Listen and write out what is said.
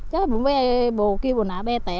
chắc là hùm ve bồ kia bồ nạ bè tẹ rậu